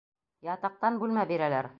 Ятаҡтан бүлмә бирәләр.